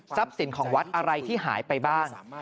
สินของวัดอะไรที่หายไปบ้าง